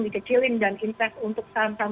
dikecilin dan investasi untuk sam sam